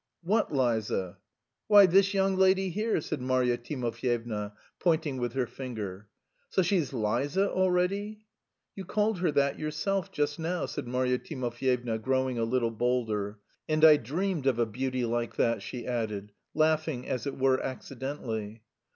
"What Liza?" "Why, this young lady here," said Marya Timofyevna, pointing with her finger. "So she's Liza already?" "You called her that yourself just now," said Marya Timofyevna growing a little bolder. "And I dreamed of a beauty like that," she added, laughing, as it were accidentally.